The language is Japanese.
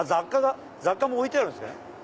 雑貨も置いてあるんすね。